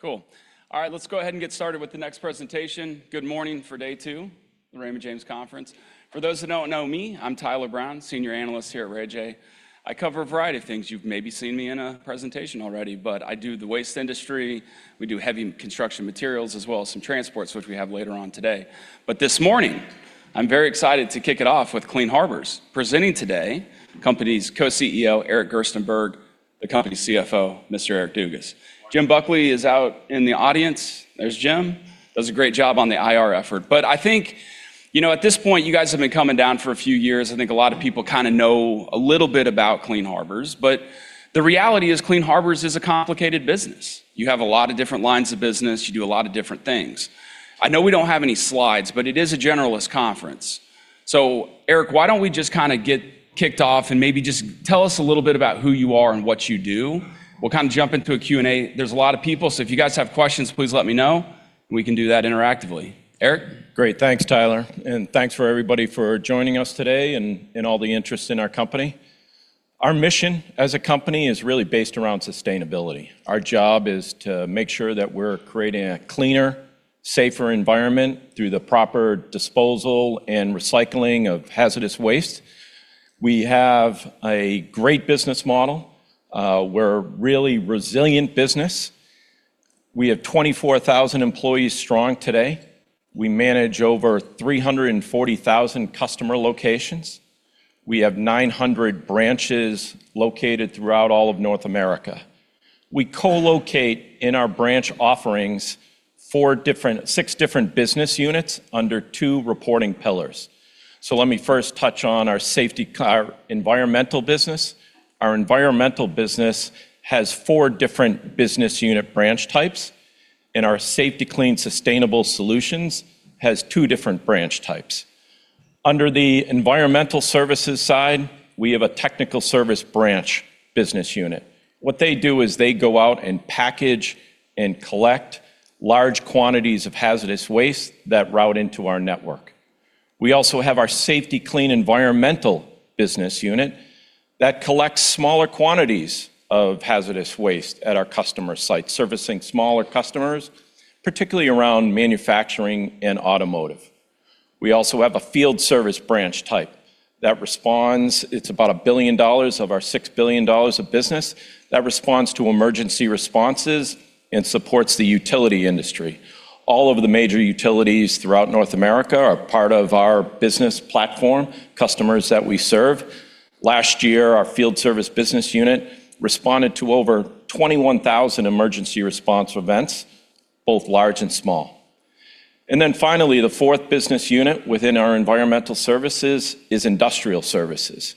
Cool. All right, let's go ahead and get started with the next presentation. Good morning for day two, the Raymond James Conference. For those that don't know me, I'm Tyler Brown, Senior Analyst here at RayJ. I cover a variety of things. You've maybe seen me in a presentation already, but I do the waste industry. We do heavy construction materials as well as some transports, which we have later on today. This morning, I'm very excited to kick it off with Clean Harbors. Presenting today, the company's Co-CEO, Eric Gerstenberg, the company's CFO, Mr. Eric Dugas. Jim Buckley is out in the audience. There's Jim. Does a great job on the IR effort. I think, you know, at this point, you guys have been coming down for a few years. I think a lot of people kinda know a little bit about Clean Harbors, but the reality is Clean Harbors is a complicated business. You have a lot of different lines of business. You do a lot of different things. I know we don't have any slides, but it is a generalist conference. Eric, why don't we just kinda get kicked off and maybe just tell us a little bit about who you are and what you do. We'll kind of jump into a Q&A. There's a lot of people, so if you guys have questions, please let me know. We can do that interactively. Eric? Great. Thanks, Tyler, and thanks for everybody for joining us today and all the interest in our company. Our mission as a company is really based around sustainability. Our job is to make sure that we're creating a cleaner, safer environment through the proper disposal and recycling of hazardous waste. We have a great business model. We're a really resilient business. We have 24,000 employees strong today. We manage over 340,000 customer locations. We have 900 branches located throughout all of North America. We co-locate in our branch offerings six different business units under two reporting pillars. Let me first touch on our environmental business. Our environmental business has four different business unit branch types, and our Safety-Kleen Sustainability Solutions has two different branch types. Under the environmental services side, we have a technical service branch business unit. What they do is they go out and package and collect large quantities of hazardous waste that route into our network. We also have our Safety-Kleen Environmental business unit that collects smaller quantities of hazardous waste at our customer sites, servicing smaller customers, particularly around manufacturing and automotive. We also have a field service branch type that responds. It's about $1 billion of our $6 billion of business that responds to emergency responses and supports the utility industry. All of the major utilities throughout North America are part of our business platform, customers that we serve. Last year, our field service business unit responded to over 21,000 emergency response events, both large and small. Finally, the fourth business unit within our environmental services is industrial services.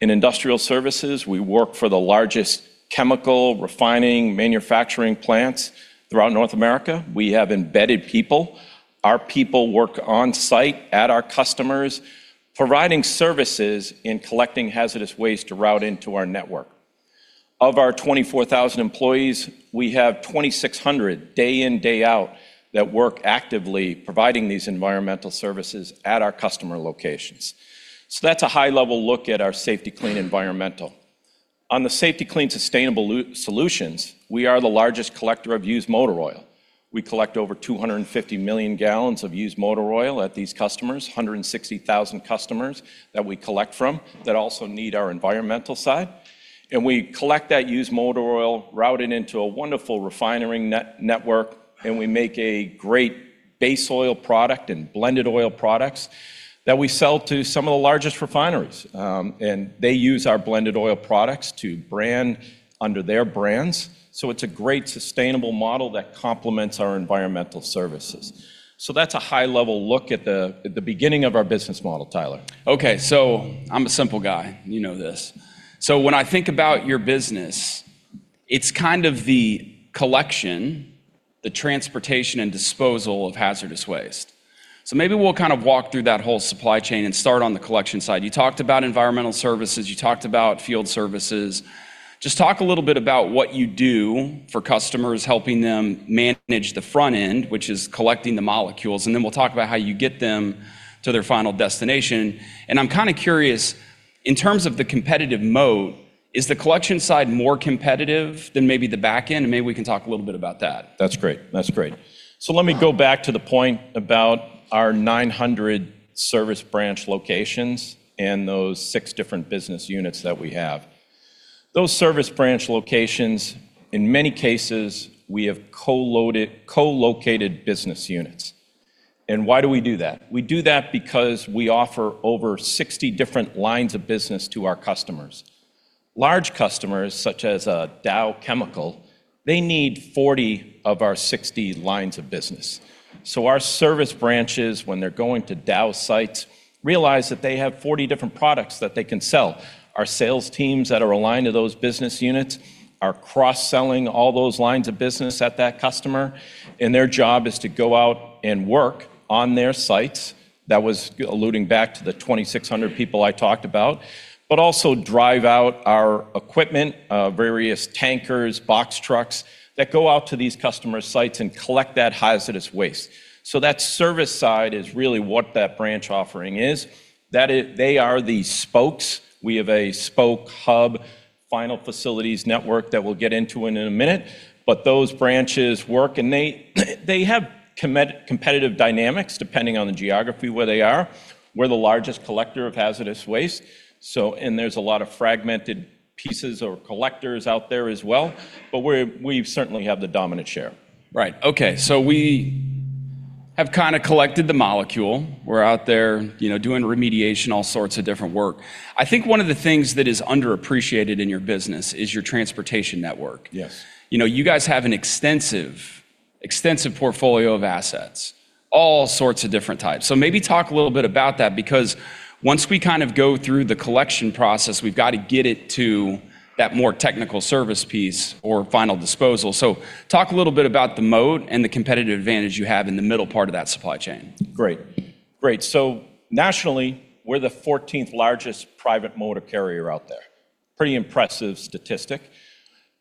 In industrial services, we work for the largest chemical refining manufacturing plants throughout North America. We have embedded people. Our people work on-site at our customers, providing services in collecting hazardous waste to route into our network. Of our 24,000 employees, we have 2,600 day in, day out that work actively providing these environmental services at our customer locations. That's a high-level look at our Safety-Kleen Environmental. On the Safety-Kleen Sustainability Solutions, we are the largest collector of used motor oil. We collect over 250 million gallons of used motor oil at these customers, 160,000 customers that we collect from that also need our environmental side. We collect that used motor oil, route it into a wonderful refinery network, we make a great base oil product and blended oil products that we sell to some of the largest refineries. They use our blended oil products to brand under their brands. It's a great sustainable model that complements our environmental services. That's a high-level look at the beginning of our business model, Tyler. Okay. I'm a simple guy. You know this. When I think about your business, it's kind of the collection, the transportation and disposal of hazardous waste. Maybe we'll kind of walk through that whole supply chain and start on the collection side. You talked about environmental services, you talked about field services. Just talk a little bit about what you do for customers, helping them manage the front end, which is collecting the molecules, and then we'll talk about how you get them to their final destination. I'm kinda curious, in terms of the competitive mode, is the collection side more competitive than maybe the back end? Maybe we can talk a little bit about that. That's great. That's great. Let me go back to the point about our 900 service branch locations and those 6 different business units that we have. Those service branch locations, in many cases, we have co-located business units. Why do we do that? We do that because we offer over 60 different lines of business to our customers. Large customers, such as Dow Chemical, they need 40 of our 60 lines of business. Our service branches, when they're going to Dow sites, realize that they have 40 different products that they can sell. Our sales teams that are aligned to those business units are cross-selling all those lines of business at that customer, and their job is to go out and work on their sites. That was alluding back to the 2,600 people I talked about, but also drive out our equipment, various tankers, box trucks that go out to these customer sites and collect that hazardous waste. That service side is really what that branch offering is. They are the spokes. We have a spoke hub final facilities network that we'll get into in a minute. Those branches work, and they have competitive dynamics depending on the geography where they are. We're the largest collector of hazardous waste, so there's a lot of fragmented pieces or collectors out there as well, but we certainly have the dominant share. Right. Okay. We have kind of collected the molecule. We're out there, you know, doing remediation, all sorts of different work. I think one of the things that is underappreciated in your business is your transportation network. Yes. You know, you guys have an extensive portfolio of assets, all sorts of different types. Maybe talk a little bit about that, because once we kind of go through the collection process, we've got to get it to that more technical service piece or final disposal. Talk a little bit about the mode and the competitive advantage you have in the middle part of that supply chain. Great. Great. Nationally, we're the 14th largest private motor carrier out there. Pretty impressive statistic.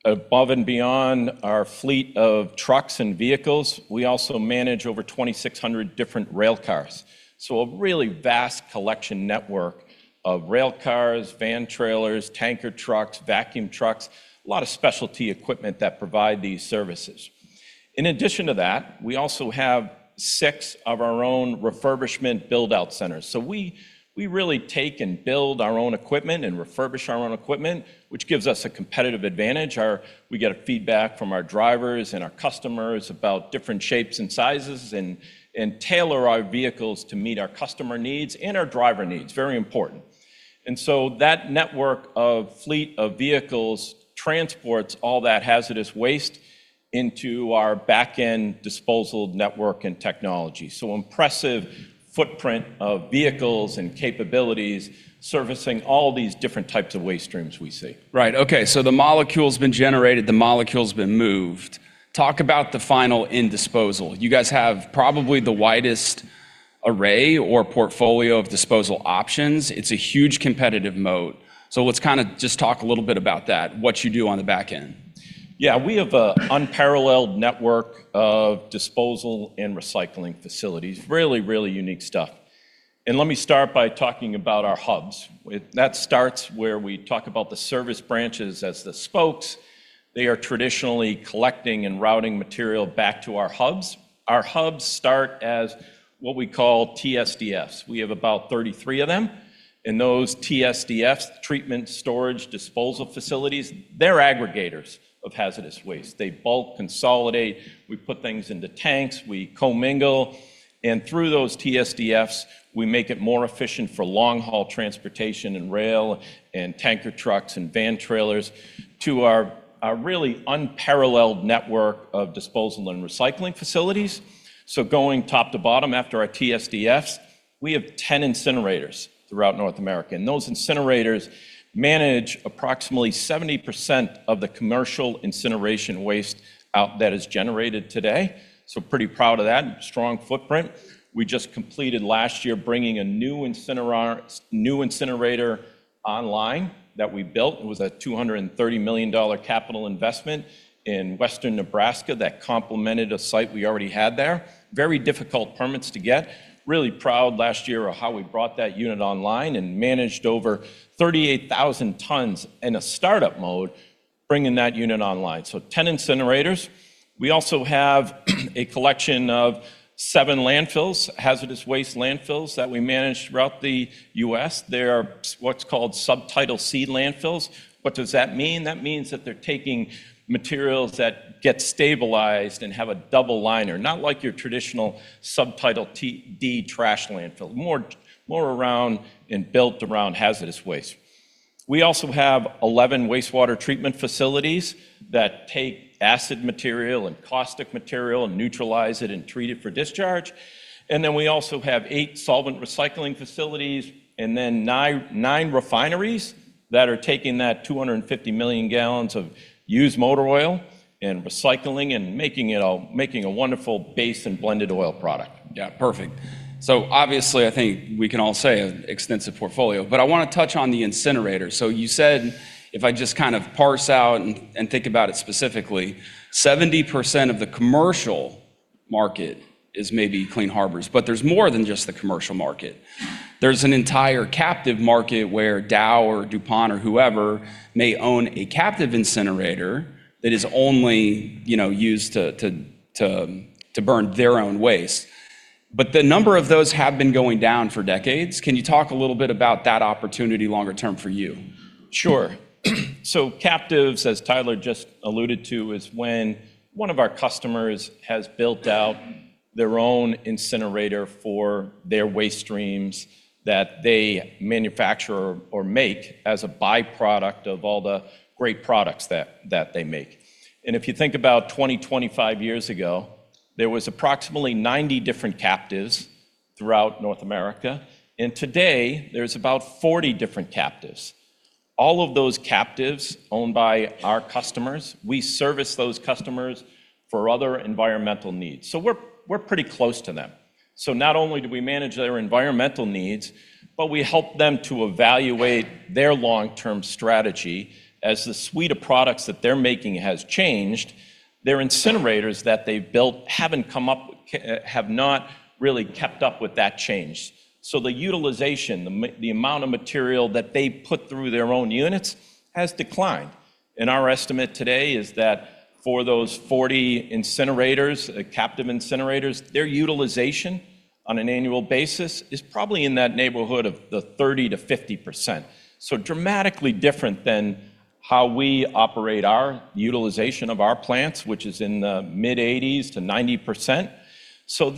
Above and beyond our fleet of trucks and vehicles, we also manage over 2,600 different rail cars. A really vast collection network of rail cars, van trailers, tanker trucks, vacuum trucks, a lot of specialty equipment that provide these services. In addition to that, we also have six of our own refurbishment build-out centers. We really take and build our own equipment and refurbish our own equipment, which gives us a competitive advantage. We get feedback from our drivers and our customers about different shapes and sizes and tailor our vehicles to meet our customer needs and our driver needs. Very important. That network of fleet of vehicles transports all that hazardous waste into our back-end disposal network and technology. Impressive footprint of vehicles and capabilities servicing all these different types of waste streams we see. Right. Okay. The molecule's been generated, the molecule's been moved. Talk about the final end disposal. You guys have probably the widest array or portfolio of disposal options. It's a huge competitive moat. Let's kind of just talk a little bit about that, what you do on the back end. Yeah. We have a unparalleled network of disposal and recycling facilities. Really, really unique stuff. Let me start by talking about our hubs. That starts where we talk about the service branches as the spokes. They are traditionally collecting and routing material back to our hubs. Our hubs start as what we call TSDFs. We have about 33 of them. Those TSDFs, Treatment Storage Disposal Facilities, they're aggregators of hazardous waste. They bulk consolidate. We put things into tanks, we commingle. Through those TSDFs, we make it more efficient for long-haul transportation and rail and tanker trucks and van trailers to our really unparalleled network of disposal and recycling facilities. Going top to bottom after our TSDFs, we have 10 incinerators throughout North America, and those incinerators manage approximately 70% of the commercial incineration waste that is generated today. Pretty proud of that, strong footprint. We just completed last year bringing a new incinerator online that we built. It was a $230 million capital investment in Western Nebraska that complemented a site we already had there. Very difficult permits to get. Really proud last year of how we brought that unit online and managed over 38,000 tons in a startup mode bringing that unit online. 10 incinerators. We also have a collection of seven landfills, hazardous waste landfills that we manage throughout the U.S. They are what's called Subtitle C landfills. What does that mean? That means that they're taking materials that get stabilized and have a double liner. Not like your traditional Subtitle D trash landfill, more around and built around hazardous waste. We also have 11 wastewater treatment facilities that take acid material and caustic material and neutralize it and treat it for discharge. We also have eight solvent recycling facilities and then nine refineries that are taking that 250 million gallons of used motor oil and recycling and making a wonderful base and blended oil product. Yeah. Perfect. Obviously, I think we can all say an extensive portfolio, but I want to touch on the incinerator. You said if I just kind of parse out and think about it specifically, 70% of the commercial market is maybe Clean Harbors, but there's more than just the commercial market. There's an entire captive market where Dow or DuPont or whoever may own a captive incinerator that is only, you know, used to burn their own waste. The number of those have been going down for decades. Can you talk a little bit about that opportunity longer term for you? Sure. Captives, as Tyler just alluded to, is when one of our customers has built out their own incinerator for their waste streams that they manufacture or make as a byproduct of all the great products that they make. If you think about 20, 25 years ago, there was approximately 90 different captives throughout North America. Today, there's about 40 different captives. All of those captives owned by our customers, we service those customers for other environmental needs. We're pretty close to them. Not only do we manage their environmental needs, but we help them to evaluate their long-term strategy. As the suite of products that they're making has changed, their incinerators that they've built have not really kept up with that change. The utilization, the amount of material that they put through their own units has declined. Our estimate today is that for those 40 incinerators, captive incinerators, their utilization on an annual basis is probably in that neighborhood of the 30%-50%. Dramatically different than how we operate our utilization of our plants, which is in the mid-80s to 90%.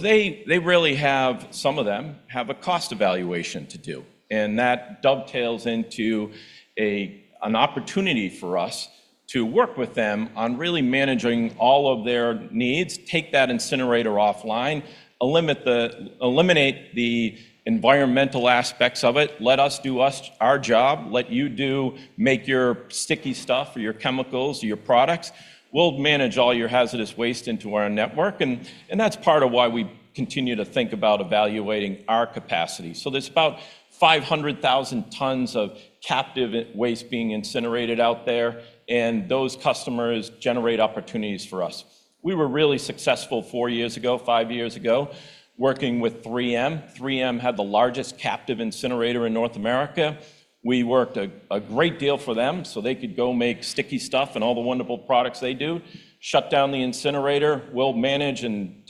They, they really have, some of them, have a cost evaluation to do, and that dovetails into an opportunity for us to work with them on really managing all of their needs, take that incinerator offline, eliminate the environmental aspects of it. Let us do our job, let you make your sticky stuff or your chemicals, your products. We'll manage all your hazardous waste into our network, and that's part of why we continue to think about evaluating our capacity. There's about 500,000 tons of captive waste being incinerated out there, those customers generate opportunities for us. We were really successful four years ago, five years ago, working with 3M. 3M had the largest captive incinerator in North America. We worked a great deal for them, so they could go make sticky stuff and all the wonderful products they do, shut down the incinerator. We'll manage and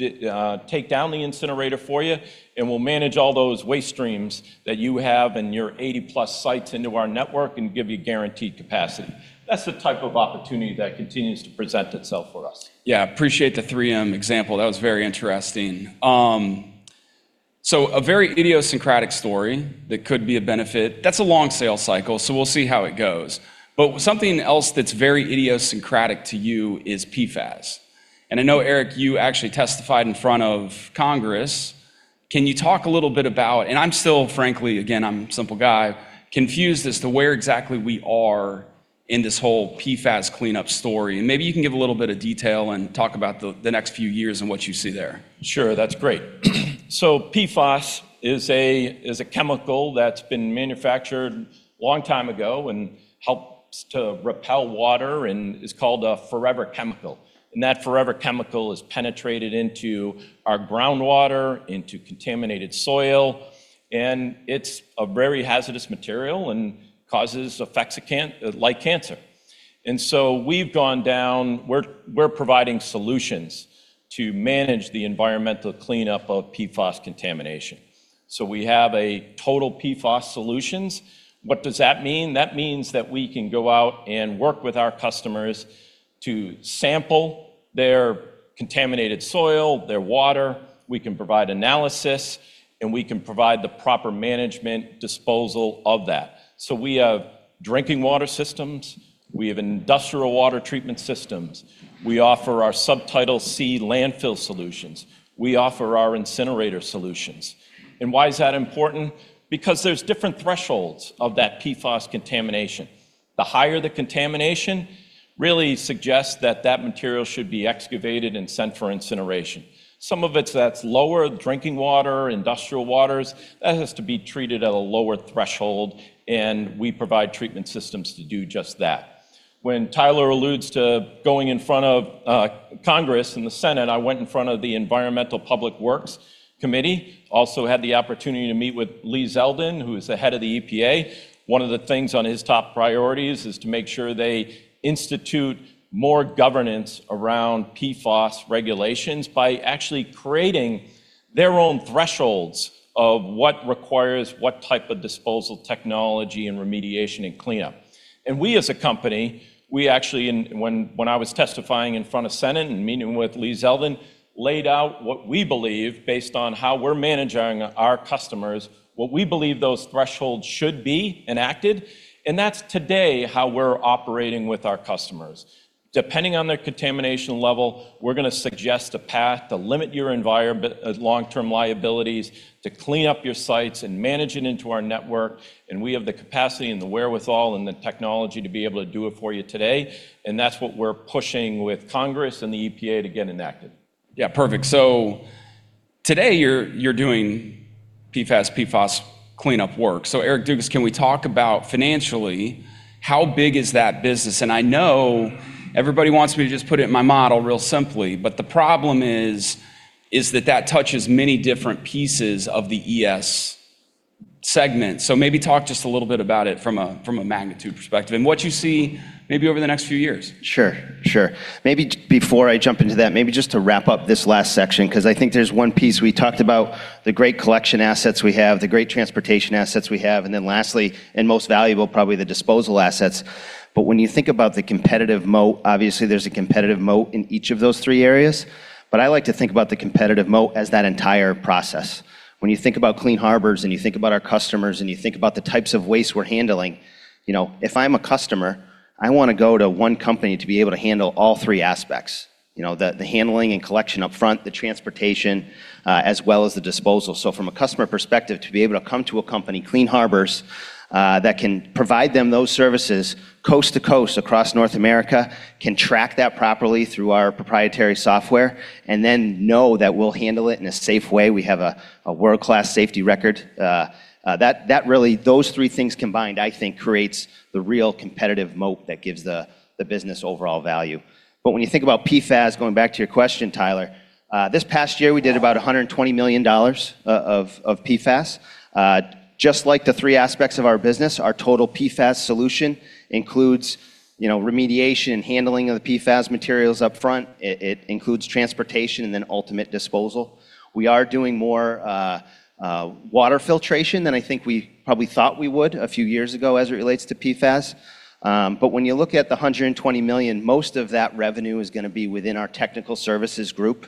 take down the incinerator for you, we'll manage all those waste streams that you have in your 80-plus sites into our network and give you guaranteed capacity. That's the type of opportunity that continues to present itself for us. Yeah, appreciate the 3M example. That was very interesting. A very idiosyncratic story that could be a benefit. That's a long sales cycle, so we'll see how it goes. Something else that's very idiosyncratic to you is PFAS. I know, Eric, you actually testified in front of Congress. Can you talk a little bit about...? I'm still, frankly, again, I'm a simple guy, confused as to where exactly we are in this whole PFAS cleanup story. Maybe you can give a little bit of detail and talk about the next few years and what you see there. Sure, that's great. PFAS is a chemical that's been manufactured long time ago and helps to repel water and is called a forever chemical. That forever chemical has penetrated into our groundwater, into contaminated soil, and it's a very hazardous material and causes effects of like cancer. We're providing solutions to manage the environmental cleanup of PFAS contamination. We have a Total PFAS solutions. What does that mean? That means that we can go out and work with our customers to sample their contaminated soil, their water. We can provide analysis, and we can provide the proper management disposal of that. We have drinking water systems. We have industrial water treatment systems. We offer our Subtitle C landfill solutions. We offer our incinerator solutions. Why is that important? Because there's different thresholds of that PFAS contamination. The higher the contamination really suggests that that material should be excavated and sent for incineration. Some of it that's lower, drinking water, industrial waters, that has to be treated at a lower threshold, and we provide treatment systems to do just that. When Tyler alludes to going in front of Congress and the Senate, I went in front of the Committee on Environment and Public Works. Also had the opportunity to meet with Lee Zeldin, who is the head of the EPA. One of the things on his top priorities is to make sure they institute more governance around PFAS regulations by actually creating their own thresholds of what requires what type of disposal technology and remediation and cleanup. We as a company, we actually, when I was testifying in front of Senate and meeting with Lee Zeldin, laid out what we believe based on how we're managing our customers, what we believe those thresholds should be enacted. That's today how we're operating with our customers. Depending on their contamination level, we're gonna suggest a path to limit your long-term liabilities, to clean up your sites and manage it into our network. We have the capacity and the wherewithal and the technology to be able to do it for you today. That's what we're pushing with Congress and the EPA to get enacted. Yeah, perfect. Today you're doing PFAS, PFOS cleanup work. Eric Dugas, can we talk about financially how big is that business? I know everybody wants me to just put it in my model real simply, but the problem is that that touches many different pieces of the ES segment. Maybe talk just a little bit about it from a magnitude perspective and what you see maybe over the next few years. Sure. Sure. Maybe before I jump into that, maybe just to wrap up this last section, because I think there's one piece we talked about the great collection assets we have, the great transportation assets we have, and then lastly, and most valuable, probably the disposal assets. When you think about the competitive moat, obviously there's a competitive moat in each of those three areas. I like to think about the competitive moat as that entire process. When you think about Clean Harbors, and you think about our customers, and you think about the types of waste we're handling, you know, if I'm a customer, I wanna go to one company to be able to handle all three aspects. You know, the handling and collection upfront, the transportation, as well as the disposal. From a customer perspective, to be able to come to a company, Clean Harbors, that can provide them those services coast to coast across North America, can track that properly through our proprietary software, and then know that we'll handle it in a safe way. We have a world-class safety record. That really... Those three things combined, I think creates the real competitive moat that gives the business overall value. When you think about PFAS, going back to your question, Tyler, this past year we did about $120 million of PFAS. Just like the three aspects of our business, our Total PFAS Solution includes, you know, remediation and handling of the PFAS materials up front. It includes transportation and then ultimate disposal. We are doing more water filtration than I think we probably thought we would a few years ago as it relates to PFAS. When you look at the $120 million, most of that revenue is gonna be within our technical services group.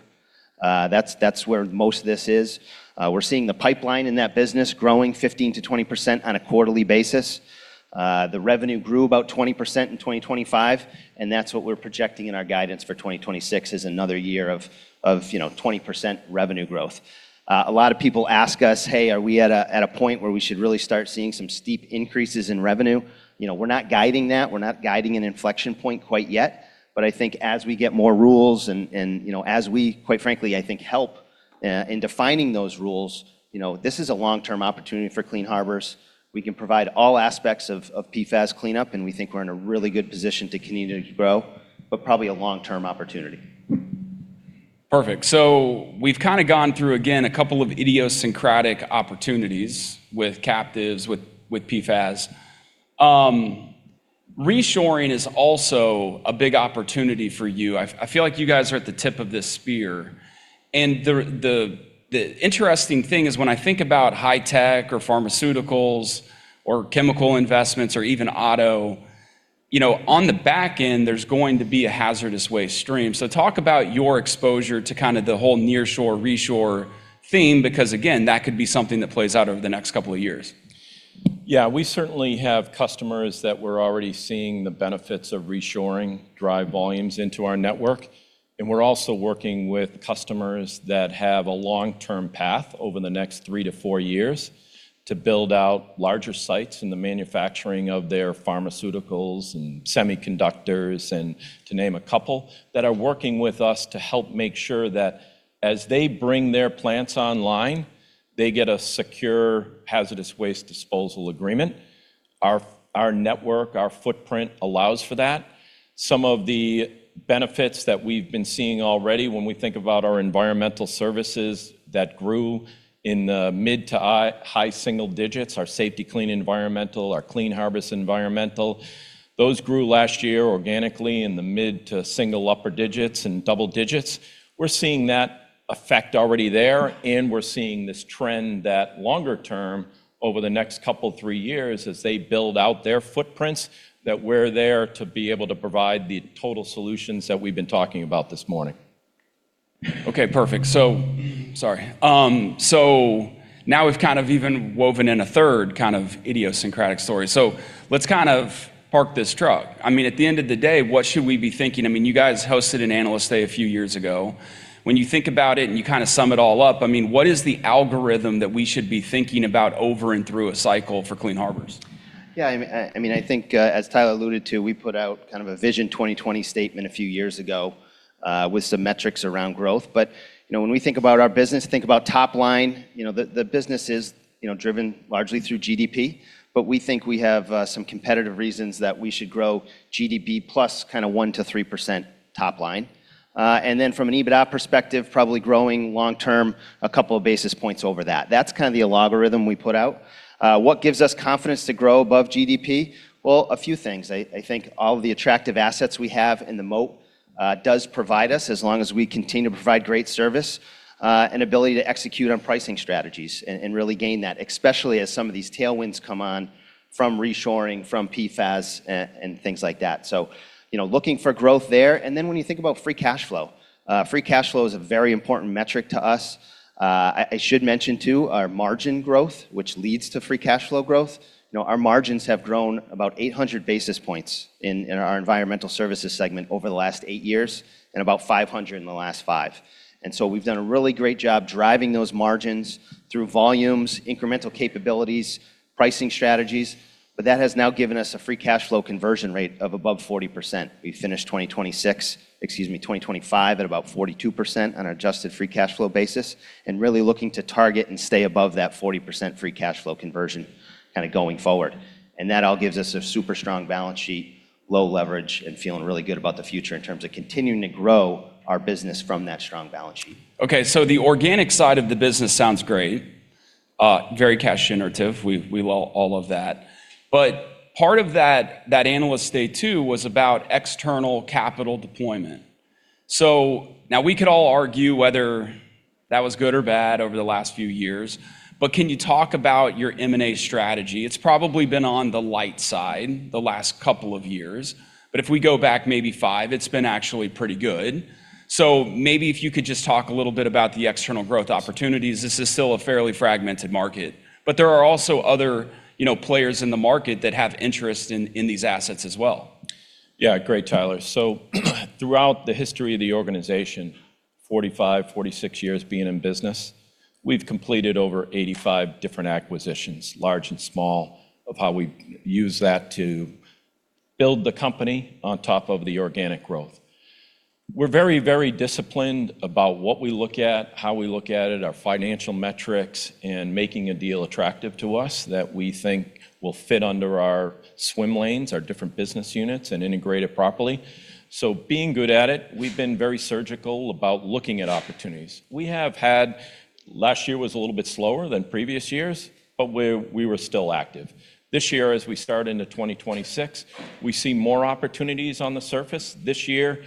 That's where most of this is. We're seeing the pipeline in that business growing 15%-20% on a quarterly basis. The revenue grew about 20% in 2025, and that's what we're projecting in our guidance for 2026 is another year of, you know, 20% revenue growth. A lot of people ask us, "Hey, are we at a point where we should really start seeing some steep increases in revenue?" You know, we're not guiding that. We're not guiding an inflection point quite yet. I think as we get more rules and, you know, as we, quite frankly, I think help in defining those rules, you know, this is a long-term opportunity for Clean Harbors. We can provide all aspects of PFAS cleanup, and we think we're in a really good position to continue to grow, but probably a long-term opportunity. Perfect. We've kinda gone through, again, a couple of idiosyncratic opportunities with captives, with PFAS. Reshoring is also a big opportunity for you. I feel like you guys are at the tip of this spear. The interesting thing is when I think about high tech or pharmaceuticals or chemical investments or even auto, you know, on the back end, there's going to be a hazardous waste stream. Talk about your exposure to kinda the whole nearshore, reshore theme, because again, that could be something that plays out over the next couple of years. Yeah, we certainly have customers that we're already seeing the benefits of reshoring drive volumes into our network. We're also working with customers that have a long-term path over the next three to four years to build out larger sites in the manufacturing of their pharmaceuticals and semiconductors and, to name a couple, that are working with us to help make sure that as they bring their plants online, they get a secure hazardous waste disposal agreement. Our network, our footprint allows for that. Some of the benefits that we've been seeing already when we think about our environmental services that grew in the mid-to-high single digits, our Safety-Kleen Environmental, our Clean Harbors Environmental, those grew last year organically in the mid-to-single upper digits and double digits. We're seeing that effect already there, and we're seeing this trend that longer term over the next couple, three years as they build out their footprints, that we're there to be able to provide the total solutions that we've been talking about this morning. Okay, perfect. Sorry. Now we've kind of even woven in a third kind of idiosyncratic story. Let's kind of park this truck. I mean, at the end of the day, what should we be thinking? I mean, you guys hosted an Analyst Day a few years ago. When you think about it and you kinda sum it all up, I mean, what is the algorithm that we should be thinking about over and through a cycle for Clean Harbors? Yeah, I mean, I think, as Tyler alluded to, we put out kind of a Vision 2020 statement a few years ago, with some metrics around growth. You know, when we think about our business, think about top line, you know, the business is, you know, driven largely through GDP. We think we have some competitive reasons that we should grow GDP plus kinda 1% - 3% top line. Then from an EBITDA perspective, probably growing long term a couple of basis points over that. That's kinda the algorithm we put out. What gives us confidence to grow above GDP? Well, a few things. I think all of the attractive assets we have in the moat does provide us, as long as we continue to provide great service and ability to execute on pricing strategies and really gain that, especially as some of these tailwinds come on from reshoring, from PFAS and things like that. You know, looking for growth there. When you think about free cash flow, free cash flow is a very important metric to us. I should mention too, our margin growth, which leads to free cash flow growth. You know, our margins have grown about 800 basis points in our Environmental Services segment over the last eight years and about 500 in the last five. We've done a really great job driving those margins through volumes, incremental capabilities, pricing strategies, but that has now given us a free cash flow conversion rate of above 40%. We finished 2026, excuse me, 2025 at about 42% on an adjusted free cash flow basis, and really looking to target and stay above that 40% free cash flow conversion kinda going forward. That all gives us a super strong balance sheet, low leverage, and feeling really good about the future in terms of continuing to grow our business from that strong balance sheet. Okay. The organic side of the business sounds great, very cash generative. We all love that. Part of that Analyst Day too was about external capital deployment. Now we could all argue whether that was good or bad over the last few years, but can you talk about your M&A strategy? It's probably been on the light side the last couple of years, but if we go back maybe five, it's been actually pretty good. Maybe if you could just talk a little bit about the external growth opportunities. This is still a fairly fragmented market, but there are also other, you know, players in the market that have interest in these assets as well. Yeah, great, Tyler. Throughout the history of the organization, 45, 46 years being in business, we've completed over 85 different acquisitions, large and small, of how we use that to build the company on top of the organic growth. We're very, very disciplined about what we look at, how we look at it, our financial metrics, and making a deal attractive to us that we think will fit under our swim lanes, our different business units, and integrate it properly. Being good at it, we've been very surgical about looking at opportunities. We have had last year was a little bit slower than previous years, but we were still active. This year as we start into 2026, we see more opportunities on the surface. This year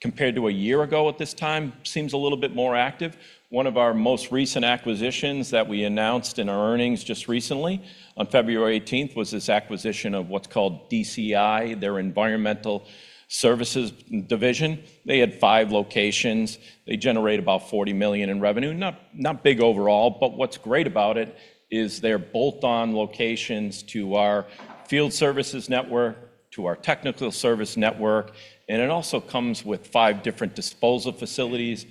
compared to a year ago at this time seems a little bit more active. One of our most recent acquisitions that we announced in our earnings just recently on February 18th was this acquisition of what's called DCI, their environmental services division. They had five locations. They generate about $40 million in revenue. Not big overall, what's great about it is they're bolt-on locations to our field services network, to our technical service network, and it also comes with five different disposal facilities,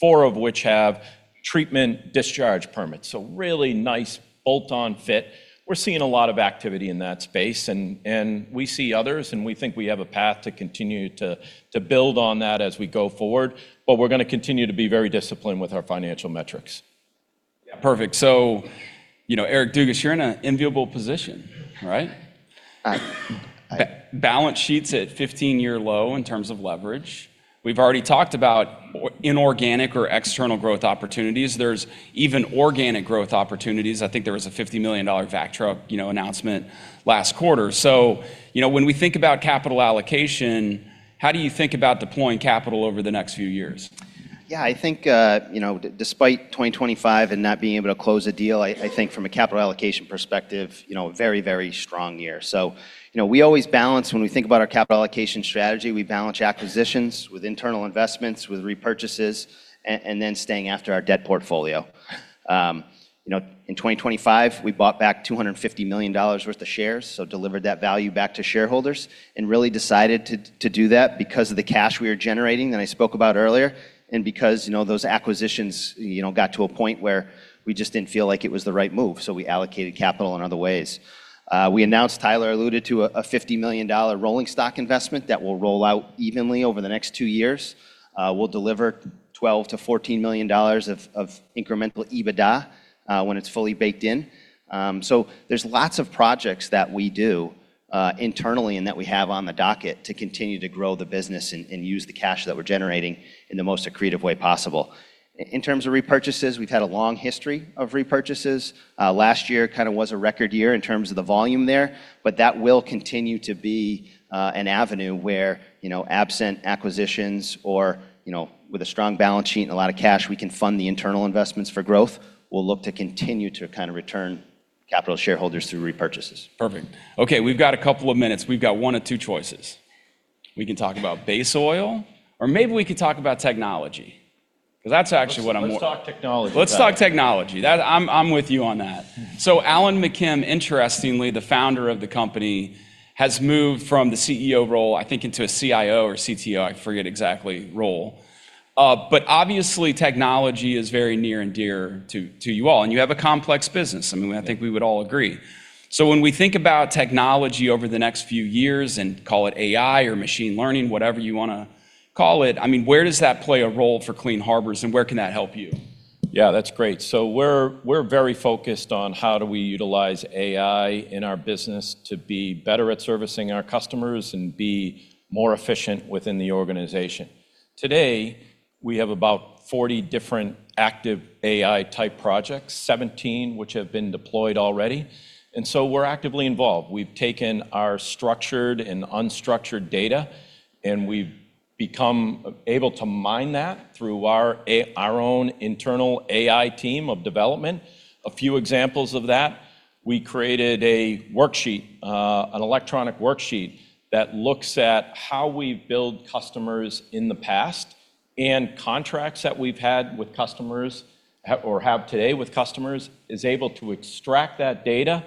four of which have treatment discharge permits. Really nice bolt-on fit. We're seeing a lot of activity in that space and we see others, and we think we have a path to continue to build on that as we go forward. We're gonna continue to be very disciplined with our financial metrics. Yeah. Perfect. you know, Eric Dugas, you're in an enviable position, right? I, I- Balance sheet's at 15-year low in terms of leverage. We've already talked about inorganic or external growth opportunities. There's even organic growth opportunities. I think there was a $50 million vac truck, you know, announcement last quarter. You know, when we think about capital allocation, how do you think about deploying capital over the next few years? Yeah. I think, you know, despite 2025 and not being able to close a deal, I think from a capital allocation perspective, you know, very, very strong year. You know, we always balance when we think about our capital allocation strategy, we balance acquisitions with internal investments, with repurchases, and then staying after our debt portfolio. You know, in 2025, we bought back $250 million worth of shares, delivered that value back to shareholders and really decided to do that because of the cash we were generating that I spoke about earlier and because, you know, those acquisitions, you know, got to a point where we just didn't feel like it was the right move. We allocated capital in other ways. We announced, Tyler alluded to a $50 million rolling stock investment that will roll out evenly over the next two years. We'll deliver $12 million-$14 million of Incremental EBITDA when it's fully baked in. There's lots of projects that we do internally and that we have on the docket to continue to grow the business and use the cash that we're generating in the most accretive way possible. In terms of repurchases, we've had a long history of repurchases. Last year kinda was a record year in terms of the volume there, that will continue to be an avenue where, you know, absent acquisitions or, you know, with a strong balance sheet and a lot of cash, we can fund the internal investments for growth. We'll look to continue to kinda return capital to shareholders through repurchases. Perfect. Okay, we've got a couple of minutes. We've got one of two choices. We can talk about base oil, or maybe we could talk about technology 'cause that's actually what I'm more... Let's talk technology. Let's talk technology. I'm with you on that. Alan McKim, interestingly, the founder of the company, has moved from the CEO role, I think, into a CIO or CTO, I forget exactly, role. Obviously, technology is very near and dear to you all, and you have a complex business. I mean, I think we would all agree. When we think about technology over the next few years and call it AI or machine learning, whatever you wanna call it, I mean, where does that play a role for Clean Harbors, and where can that help you? Yeah. That's great. We're, we're very focused on how do we utilize AI in our business to be better at servicing our customers and be more efficient within the organization. Today, we have about 40 different active AI-type projects, 17 which have been deployed already. We're actively involved. We've taken our structured and unstructured data. We've become able to mine that through our own internal AI team of development. A few examples of that, we created a worksheet, an electronic worksheet that looks at how we've billed customers in the past and contracts that we've had with customers or have today with customers, is able to extract that data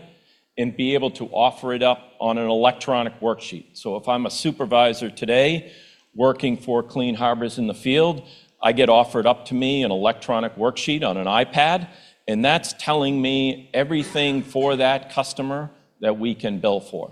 and be able to offer it up on an electronic worksheet. If I'm a supervisor today working for Clean Harbors in the field, I get offered up to me an electronic worksheet on an iPad, and that's telling me everything for that customer that we can bill for.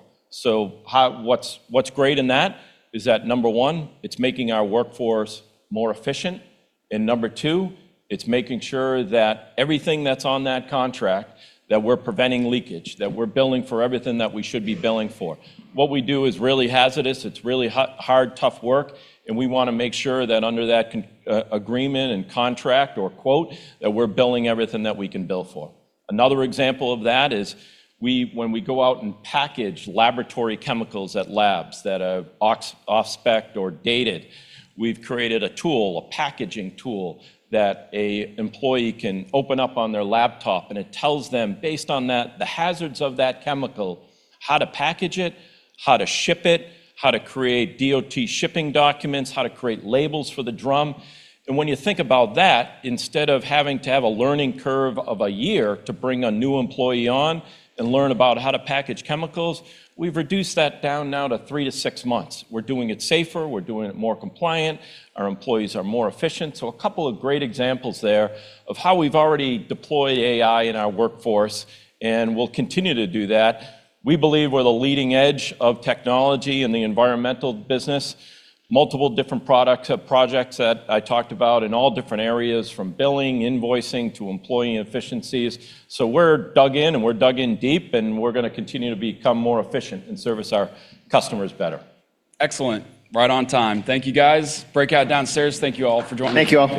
What's great in that is that, number one, it's making our workforce more efficient, and number two, it's making sure that everything that's on that contract, that we're preventing leakage, that we're billing for everything that we should be billing for. What we do is really hazardous. It's really hard, tough work, and we wanna make sure that under that agreement and contract or quote, that we're billing everything that we can bill for. Another example of that is when we go out and package laboratory chemicals at labs that have off-specced or dated, we've created a tool, a packaging tool, that a employee can open up on their laptop, and it tells them, based on that, the hazards of that chemical, how to package it, how to ship it, how to create DOT shipping documents, how to create labels for the drum. When you think about that, instead of having to have a learning curve of a year to bring a new employee on and learn about how to package chemicals, we've reduced that down now to three to six months. We're doing it safer. We're doing it more compliant. Our employees are more efficient. A couple of great examples there of how we've already deployed AI in our workforce, and we'll continue to do that. We believe we're the leading edge of technology in the environmental business. Multiple different products, projects that I talked about in all different areas from billing, invoicing, to employee efficiencies. We're dug in, and we're dug in deep, and we're gonna continue to become more efficient and service our customers better. Excellent. Right on time. Thank you, guys. Breakout downstairs. Thank you all for joining. Thank you all.